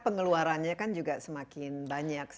pengeluarannya kan juga semakin banyak